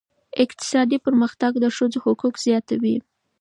اقتصادي پرمختګ د ښځو حقوق زیاتوي.